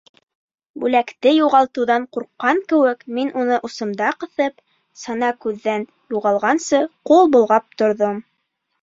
Бүләкте юғалтыуҙан ҡурҡҡан кеүек, мин уны усымда ҡыҫып, сана күҙҙән юғалғансы ҡул болғап торҙом.